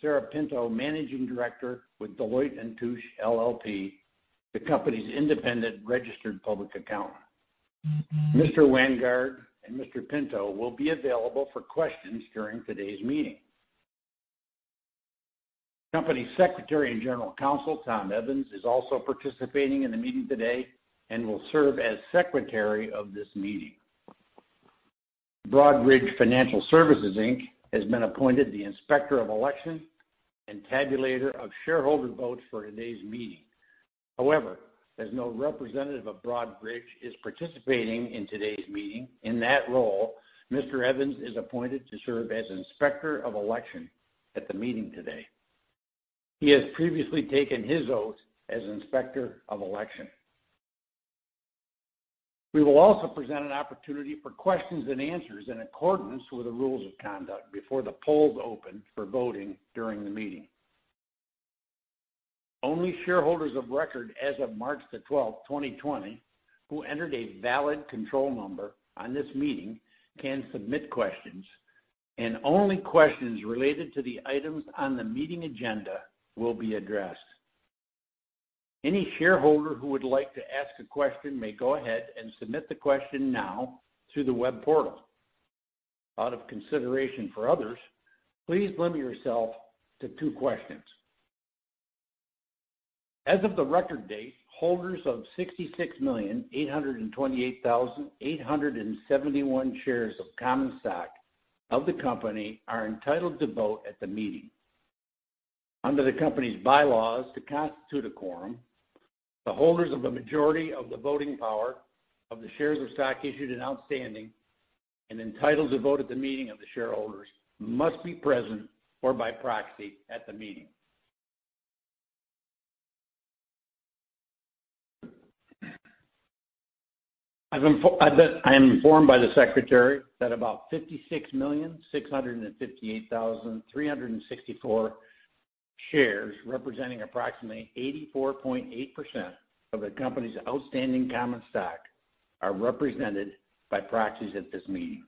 Sarah Pinto, Managing Director with Deloitte & Touche LLP, the company's independent registered public accountant. Mr. Vanguard and Mr. Pinto will be available for questions during today's meeting. Company Secretary and General Counsel, Tom Evans, is also participating in the meeting today and will serve as secretary of this meeting. Broadridge Financial Solutions, Inc. has been appointed the Inspector of Election and tabulator of shareholder votes for today's meeting. However, as no representative of Broadridge is participating in today's meeting in that role, Mr. Evans is appointed to serve as Inspector of Election at the meeting today. He has previously taken his oath as Inspector of Election. We will also present an opportunity for questions and answers in accordance with the rules of conduct before the polls open for voting during the meeting. Only shareholders of record as of March the 12th, 2020, who entered a valid control number on this meeting can submit questions, and only questions related to the items on the meeting agenda will be addressed. Any shareholder who would like to ask a question may go ahead and submit the question now through the web portal. Out of consideration for others, please limit yourself to two questions. As of the record date, holders of 66,828,871 shares of common stock of the company are entitled to vote at the meeting. Under the company's bylaws to constitute a quorum, the holders of the majority of the voting power of the shares of stock issued and outstanding and entitled to vote at the meeting of the shareholders must be present or by proxy at the meeting. I am informed by the secretary that about 56,658,364 shares, representing approximately 84.8% of the company's outstanding common stock, are represented by proxies at this meeting.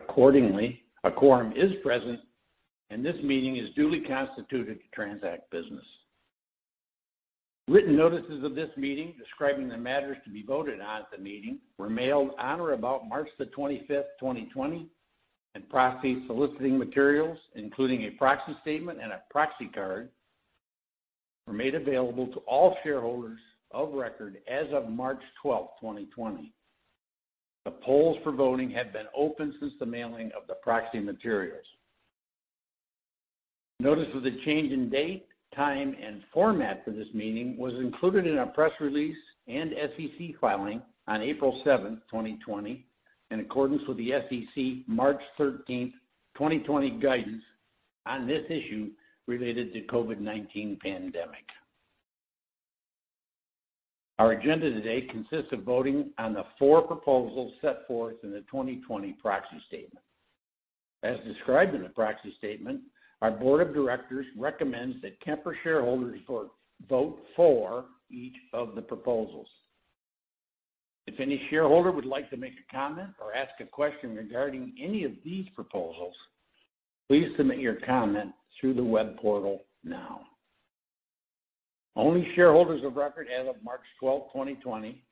Accordingly, a quorum is present, and this meeting is duly constituted to transact business. Written notices of this meeting describing the matters to be voted on at the meeting were mailed on or about March 25th, 2020, and proxy soliciting materials, including a proxy statement and a proxy card, were made available to all shareholders of record as of March 12th, 2020. The polls for voting have been open since the mailing of the proxy materials. Notice of the change in date, time, and format for this meeting was included in a press release and SEC filing on April 7th, 2020, in accordance with the SEC March 13th, 2020 guidance on this issue related to COVID-19 pandemic. Our agenda today consists of voting on the four proposals set forth in the 2020 proxy statement. As described in the proxy statement, our board of directors recommends that Kemper shareholders vote for each of the proposals. If any shareholder would like to make a comment or ask a question regarding any of these proposals, please submit your comment through the web portal now. Only shareholders of record as of March 12, 2020,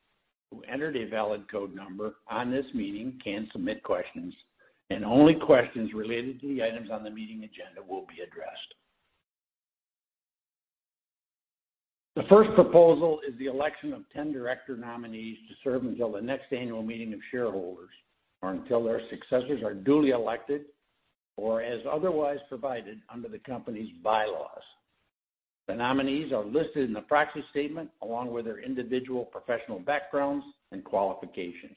who entered a valid code number on this meeting can submit questions, and only questions related to the items on the meeting agenda will be addressed. The first proposal is the election of 10 director nominees to serve until the next annual meeting of shareholders, or until their successors are duly elected or as otherwise provided under the company's bylaws. The nominees are listed in the proxy statement along with their individual professional backgrounds and qualifications.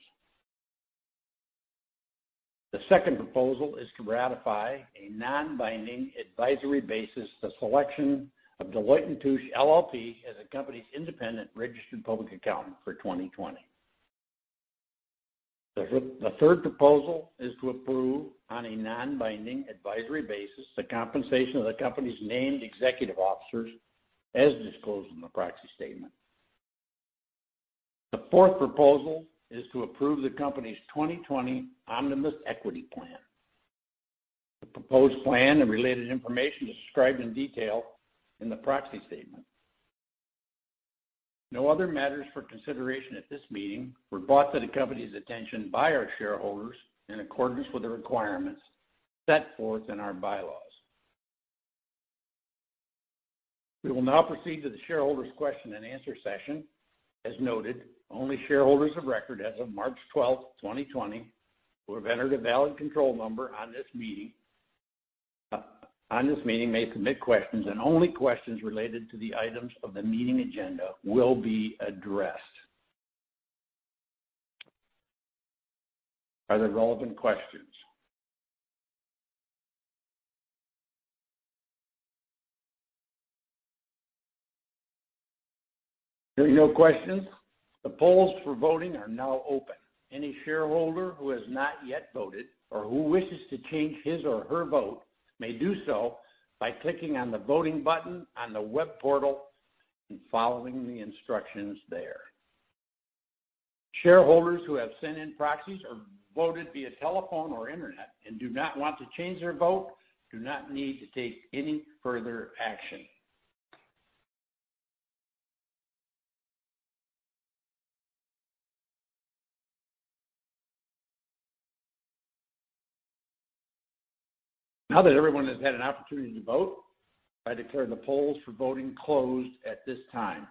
The second proposal is to ratify a non-binding advisory basis the selection of Deloitte & Touche LLP as a company's independent registered public accountant for 2020. The third proposal is to approve on a non-binding advisory basis the compensation of the company's named executive officers as disclosed in the proxy statement. The fourth proposal is to approve the company's 2020 Omnibus Equity Plan. The proposed plan and related information is described in detail in the proxy statement. No other matters for consideration at this meeting were brought to the company's attention by our shareholders in accordance with the requirements set forth in our bylaws. We will now proceed to the shareholders' question and answer session. As noted, only shareholders of record as of March 12th, 2020, who have entered a valid control number on this meeting may submit questions, and only questions related to the items of the meeting agenda will be addressed. Are there relevant questions? Hearing no questions, the polls for voting are now open. Any shareholder who has not yet voted or who wishes to change his or her vote may do so by clicking on the voting button on the web portal and following the instructions there. Shareholders who have sent in proxies or voted via telephone or internet and do not want to change their vote, do not need to take any further action. Now that everyone has had an opportunity to vote, I declare the polls for voting closed at this time.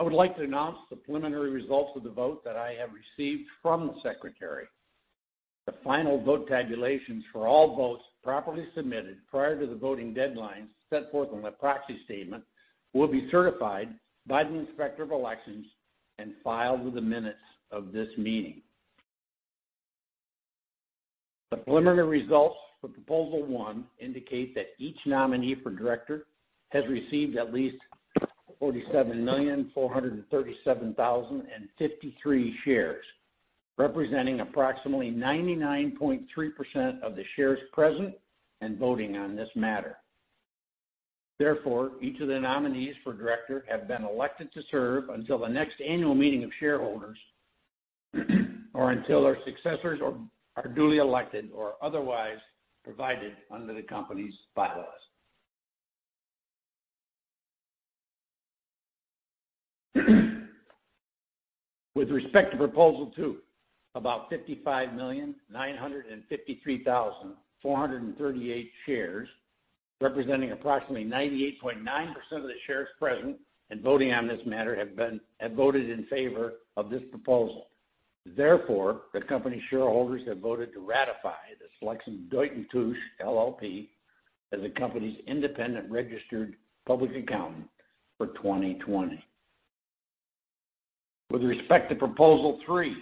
I would like to announce the preliminary results of the vote that I have received from the secretary. The final vote tabulations for all votes properly submitted prior to the voting deadlines set forth on the proxy statement will be certified by the Inspector of Election and filed with the minutes of this meeting. The preliminary results for Proposal One indicate that each nominee for director has received at least 47,437,053 shares, representing approximately 99.3% of the shares present and voting on this matter. Therefore, each of the nominees for director have been elected to serve until the next annual meeting of shareholders or until our successors are duly elected or otherwise provided under the company's bylaws. With respect to Proposal Two, about 55,953,438 shares, representing approximately 98.9% of the shares present and voting on this matter have voted in favor of this proposal. Therefore, the Company shareholders have voted to ratify the selection of Deloitte & Touche LLP as the Company's independent registered public accountant for 2020. With respect to proposal three,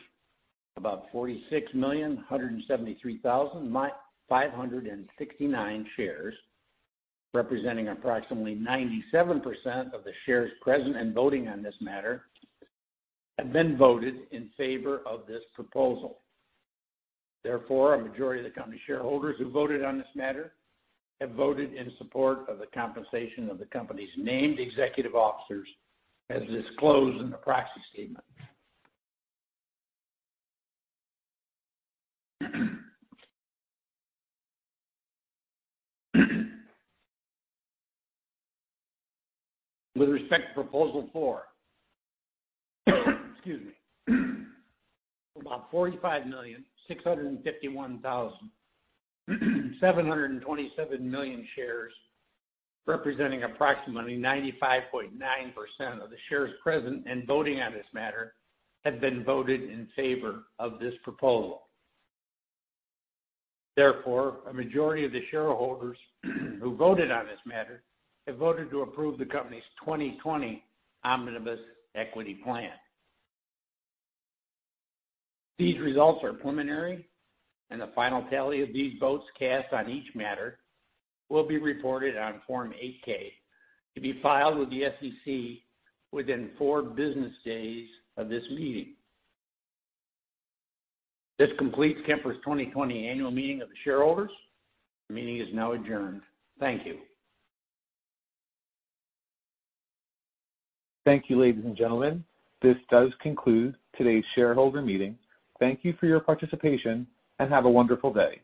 about 46,173,569 shares, representing approximately 97% of the shares present in voting on this matter, have been voted in favor of this proposal. Therefore, a majority of the Company shareholders who voted on this matter have voted in support of the compensation of the Company's named executive officers as disclosed in the proxy statement. With respect to proposal four, about 45,651,727 shares, representing approximately 95.9% of the shares present in voting on this matter have been voted in favor of this proposal. Therefore, a majority of the shareholders who voted on this matter have voted to approve the company's 2020 Omnibus Equity Plan. These results are preliminary, and the final tally of these votes cast on each matter will be reported on Form 8-K to be filed with the SEC within four business days of this meeting. This completes Kemper's 2020 annual meeting of the shareholders. The meeting is now adjourned. Thank you. Thank you, ladies and gentlemen. This does conclude today's shareholder meeting. Thank you for your participation, and have a wonderful day.